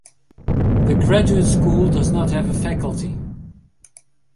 The Graduate School does not have a faculty.